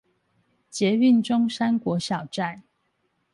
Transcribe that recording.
捷運中山國小站